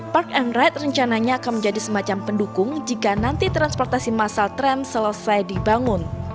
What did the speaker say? park and ride rencananya akan menjadi semacam pendukung jika nanti transportasi massal tren selesai dibangun